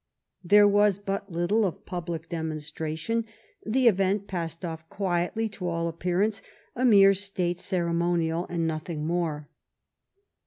There was but little of public demonstration. The event passed off quietly, to all ap pearance a mere state ceremonial and nothing more.